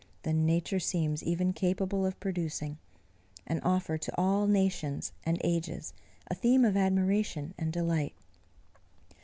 than nature seems even capable of producing; and offer to all nations and ages a theme of admiration and delight.